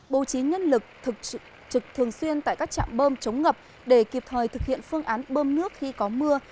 bố trí nhân lực trực thường xuyên tại các trạm bơm chống ngập để kịp thời thực hiện phương án bơm nước khi có mưa